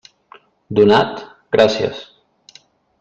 Donat?, gràcies.